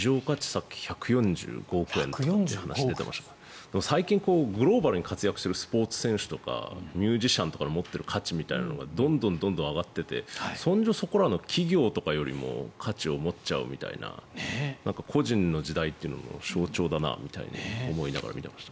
さっき、１４５億円という話が出てましたが最近、グローバルに活躍するスポーツ選手とかミュージシャンとかが持っている価値みたいなのがどんどん上がっていてそこらの企業とかよりも価値を持っちゃうみたいな個人の時代の象徴だなと思います。